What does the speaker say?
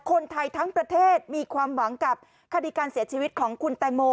คนไทยทั้งประเทศมีความหวังกับคดีการเสียชีวิตของคุณแตงโม